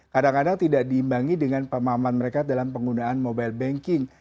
kadang kadang tidak diimbangi dengan pemahaman mereka dalam penggunaan mobile banking